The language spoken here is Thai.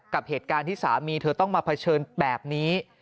กับเหตุการณ์ที่สามีเธอต้องมาเผชิญแบบนี้